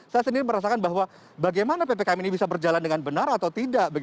saya sendiri merasakan bahwa bagaimana ppkm ini bisa berjalan dengan benar atau tidak